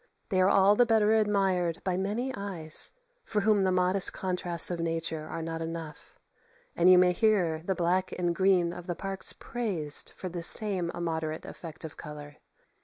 They are all the better admired by many eyes, for whom the modest contrasts of nature are not enough; and you may hear the black and green of the parks praised for this same immoderate effect of colour.